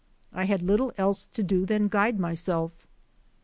I had little else to do than guide myself.